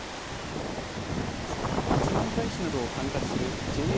八幡平市などを管轄するＪＡ